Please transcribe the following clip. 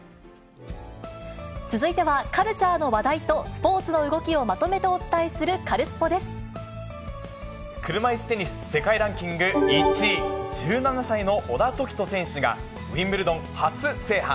続いては、カルチャーの話題とスポーツの動きをまとめてお伝えする、カルス車いすテニス、世界ランキング１位、１７歳の小田凱人選手が、ウィンブルドン初制覇。